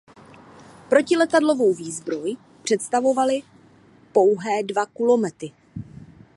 Protiletadlovou výzbroj představovaly pouhé dva kulomety.